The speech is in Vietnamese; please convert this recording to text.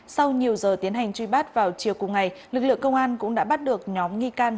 sau nhiều giờ tiến hành truy bắt vào chiều cùng ngày lực lượng công an cũng đã bắt được nhóm nghi can